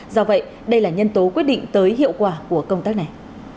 do vậy đây là nhân tố quyết định tới hiệu quả của công tác này